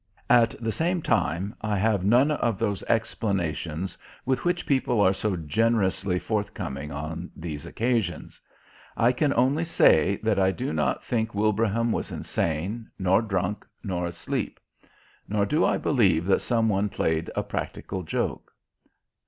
At the same time I have none of those explanations with which people are so generously forthcoming on these occasions. I can only say that I do not think Wilbraham was insane, nor drunk, nor asleep. Nor do I believe that some one played a practical joke....